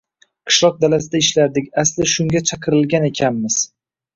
Qishloq dalasida ishlardik asli shunga chaqirilgan ekanmiz